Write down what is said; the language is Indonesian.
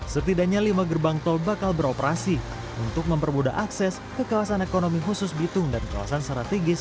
setidaknya lima gerbang tol bakal beroperasi untuk mempermudah akses ke kawasan ekonomi khusus bitung dan kawasan strategis